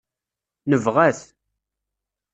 Nebɣa-t.